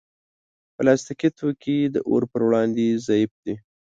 پلاستيکي توکي د اور پر وړاندې ضعیف دي.